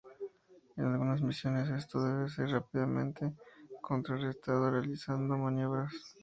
En algunas misiones esto debe ser rápidamente contrarrestado realizando maniobras.